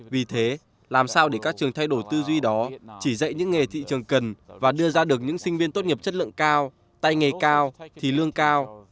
vì thế làm sao để các trường thay đổi tư duy đó chỉ dạy những nghề thị trường cần và đưa ra được những sinh viên tốt nghiệp chất lượng cao tay nghề cao thì lương cao